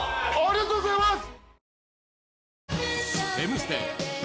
ありがとうございます！